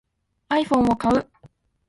iPhone を買う